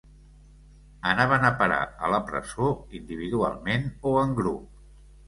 Anaven a parar a la presó, individualment o en grup